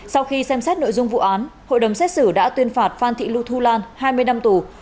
sau khi xem xét nội dung vụ án hội đồng xét xử đã tuyên phạt phan thị lu thu lan hai mươi năm tù